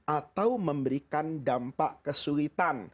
atau memberikan dampak kesulitan